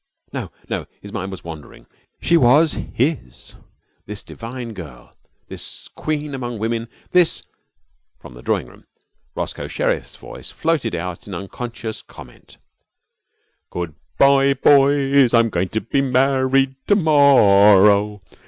No, no, his mind was wandering. She was his, this divine girl, this queen among women, this From the drawing room Roscoe Sherriff's voice floated out in unconscious comment Good bye, boys! I'm going to be married to morrow.